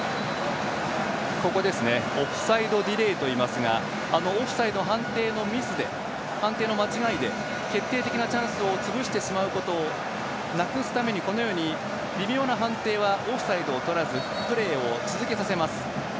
オフサイドディレイといいますがオフサイド判定のミスで判定の間違いで決定的なチャンスを潰してしまうことをなくすためにこのように微妙な判定はオフサイドを取らずプレーを続けさせます。